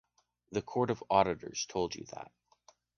The Court of Auditors told you that.